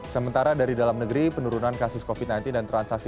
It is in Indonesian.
sementara dari dalam negeri penurunan kasus covid sembilan belas dan transaksi